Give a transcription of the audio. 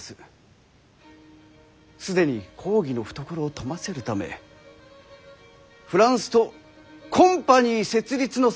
既に公儀の懐を富ませるためフランスとコンパニー設立の策を練っております。